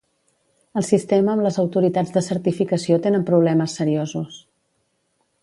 El sistema amb les autoritats de certificació tenen problemes seriosos.